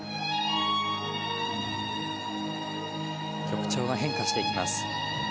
曲調が変化していきます。